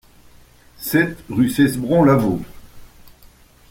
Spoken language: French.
sept rue Cesbron Lavau